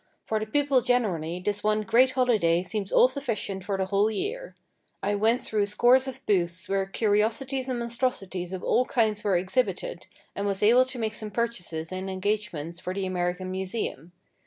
For the people generally, this one great holiday seems all sufficient for the whole year. I went through scores of booths, where curiosities and monstrosities of all kinds were exhibited, and was able to make some purchases and engagements for the American Museum.